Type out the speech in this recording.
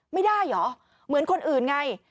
ไม่ได้เหรอเหมือนคนอื่นไง